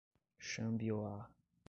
Xambioá